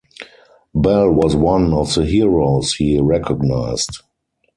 Bell was one of the heroes he recognized.